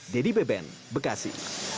dedy beben bekasi